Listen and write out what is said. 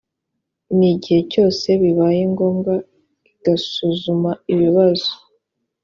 n igihe cyose bibaye ngombwa igasuzuma ibibazo